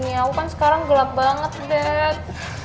ya kan sekarang gelap banget dad